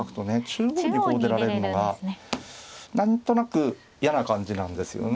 中央にこう出られるのが何となく嫌な感じなんですよね。